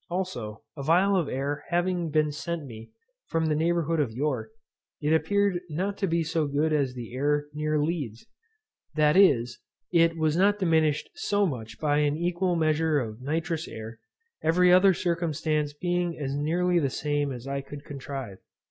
Also a phial of air having been sent me, from the neighbourhood of York, it appeared not to be so good as the air near Leeds; that is, it was not diminished so much by an equal mixture of nitrous air, every other circumstance being as nearly the same as I could contrive.